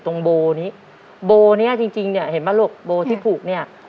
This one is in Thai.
ตรงโบนี้โบเนี้ยจริงจริงเนี่ยเห็นป่ะลูกโบที่ผูกเนี่ย